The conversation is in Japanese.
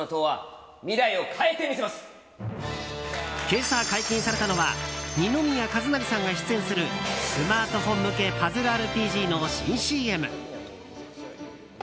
今朝、解禁されたのは二宮和也さんが出演するスマートフォン向けパズルＲＰＧの新ＣＭ。